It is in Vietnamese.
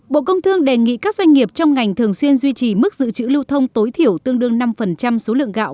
bộ công thương đề nghị các doanh nghiệp trong ngành thường xuyên duy trì mức dự trữ lưu thông tối thiểu tương đương năm số lượng gạo